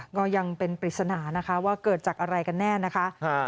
ก็ยังเป็นปริศนานะคะว่าเกิดจากอะไรกันแน่นะคะ